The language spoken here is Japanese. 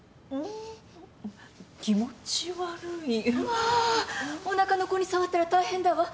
まあおなかの子に障ったら大変だわ。